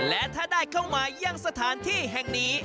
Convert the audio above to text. และถ้าได้เข้ามายังสถานที่แห่งนี้